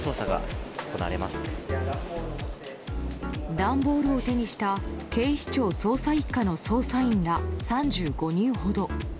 段ボールを手にした警視庁捜査１課の捜査員ら３５人ほど。